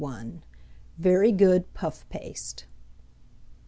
VERY GOOD PUFF PASTE.